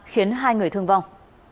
khiến hai người thương vong